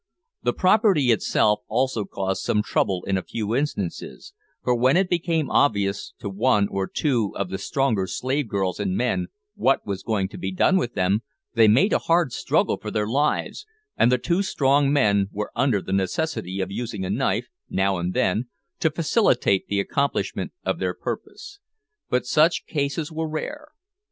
The property itself also caused some trouble in a few instances, for when it became obvious to one or two of the stronger slave girls and men what was going to be done with them, they made a hard struggle for their lives, and the two strong men were under the necessity of using a knife, now and then, to facilitate the accomplishment of their purpose. But such cases were rare.